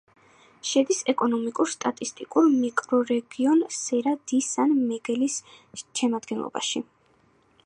შედის ეკონომიკურ-სტატისტიკურ მიკრორეგიონ სერა-დი-სან-მიგელის შემადგენლობაში.